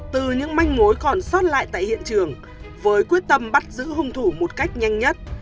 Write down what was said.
từ những manh mối còn sót lại tại hiện trường với quyết tâm bắt giữ hung thủ một cách nhanh nhất